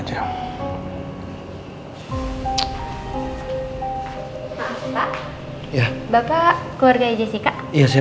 bapak keluarganya jessica